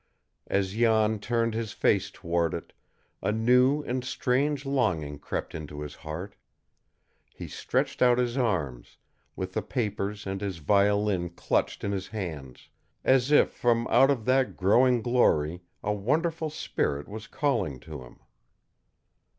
As Jan turned his face toward it, a new and strange longing crept into his heart. He stretched out his arms, with the papers and his violin clutched in his hands, as if from out of that growing glory a wonderful spirit was calling to him.